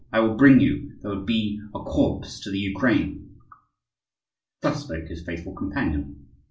I will bring you, though it be a corpse, to the Ukraine!" Thus spoke his faithful companion.